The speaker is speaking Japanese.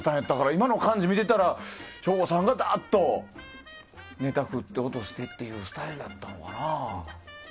今の感じ見てたら省吾さんがダーッとネタを振ってっていうスタイルだったのかな。